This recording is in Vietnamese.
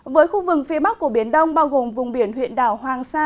với khu vực phía bắc của biển đông bao gồm vùng biển huyện đảo hoàng sa